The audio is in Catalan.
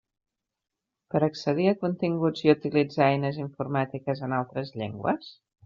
Per accedir a continguts i utilitzar eines informàtiques en altres llengües?